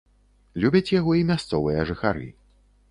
Любяць яго і мясцовыя жыхары.